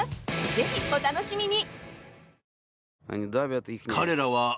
ぜひお楽しみに！